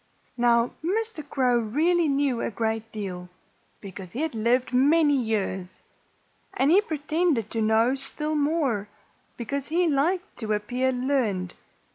Now, Mr. Crow really knew a great deal, because he had lived many years. And he pretended to know still more, because he liked to appear learned.